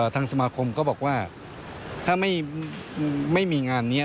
ทางสมาคมก็บอกว่าถ้าไม่มีงานนี้